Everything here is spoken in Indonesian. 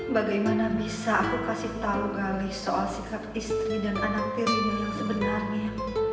bagaimana bisa aku kasih tau gali soal sikap istri dan anak dirimu yang sebenarnya